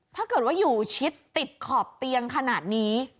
ถ้าเกิดว่าอยู่ชิดติดขอบเตียงขนาดนี้